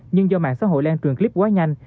nhưng do mạng xã hội lan truyền clip quá nhanh